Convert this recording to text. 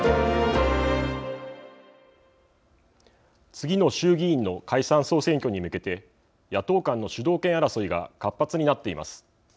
次の衆議院の解散・総選挙に向けて野党間の主導権争いが活発になっています。